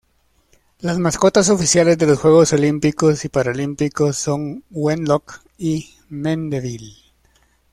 Las mascotas oficiales de los Juegos Olímpicos y Paralímpicos son Wenlock y Mandeville.